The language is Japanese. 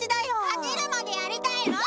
勝てるまでやりたいの！